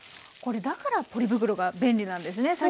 これだからポリ袋が便利なんですね。